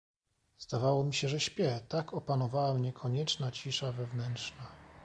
"Zdawało mi się, że śpię, tak opanowała mnie konieczna cisza wewnętrzna."